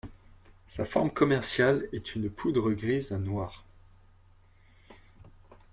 Sa forme commerciale est une poudre grise à noire.